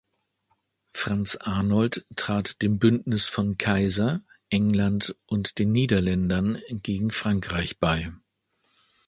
Franz Arnold trat dem Bündnis von Kaiser, England und den Niederländern gegen Frankreich bei.